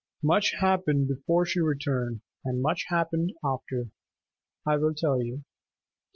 Much happened before she returned, and much happened after. I will tell you.